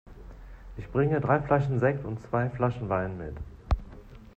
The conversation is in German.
Ich bringe drei Flaschen Sekt und zwei Flaschen Wein mit.